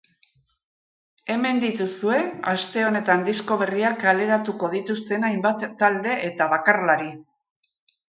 Hemen dituzue aste honetan disko berriak kaleratuko dituzten hainbat talde eta bakarlari.